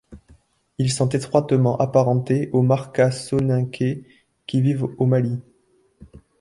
Ils sont étroitement apparentés aux Marka Soninké qui vivent au Mali.